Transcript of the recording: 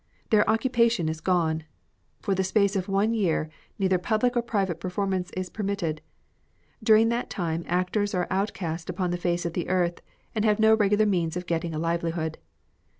Their occupation is gone. For the space of one year neither public or private performance is permitted. During that time actors are outcasts upon the face of the eai th, and have no regular means of getting a livelihood.